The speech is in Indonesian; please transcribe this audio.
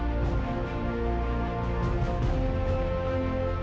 nggak ada yang nunggu